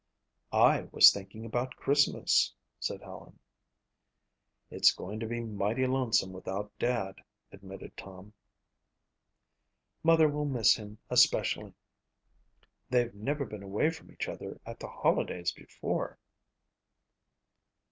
"I was thinking about Christmas," said Helen. "It's going to be mighty lonesome without Dad," admitted Tom. "Mother will miss him especially. They've never been away from each other at the holidays before."